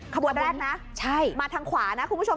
ขบวนแรกนะมาทางขวานะคุณผู้ชม